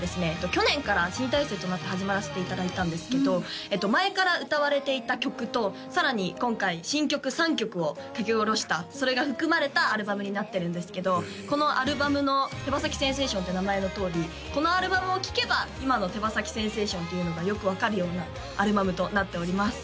去年から新体制となって始まらせていただいたんですけど前から歌われていた曲とさらに今回新曲３曲を書き下ろしたそれが含まれたアルバムになってるんですけどこのアルバムの「手羽先センセーション」って名前のとおりこのアルバムを聴けば今の手羽先センセーションというのがよく分かるようなアルバムとなっております